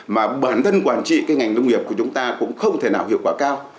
mà bản thân quản trị cái ngành nông nghiệp của chúng ta cũng không thể nào hiệu quả cao